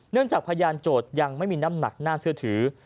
จากพยานโจทย์ยังไม่มีน้ำหนักน่าเชื่อถือ